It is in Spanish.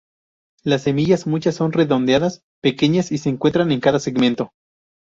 Las semillas, muchas, son redondeadas pequeñas y se encuentran en cada segmento.